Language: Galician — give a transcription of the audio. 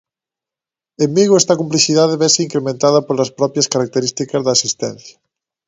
En Vigo esta complexidade vese incrementada polas propias características da asistencia.